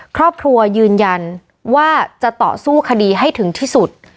ครอบครัวยืนยันว่าจะต่อสู้คดีให้ถึงที่สุด